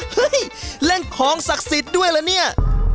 เล่นของศักดิ์สิทธิ์ด้วยละเนี่ย